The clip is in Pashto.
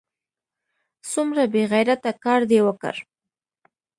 څومره بې غیرته کار دې وکړ!